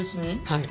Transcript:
はい。